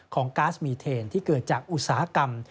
ก๊าซมีเทนที่เกิดจากอุตสาหกรรม